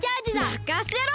まかせろ！